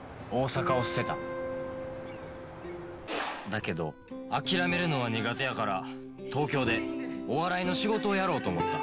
だけど諦めるのは苦手やから東京でお笑いの仕事をやろうと思った